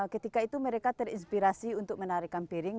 ketika itu mereka terinspirasi untuk menarikan piring